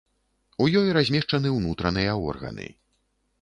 У ёй размешчаны ўнутраныя органы.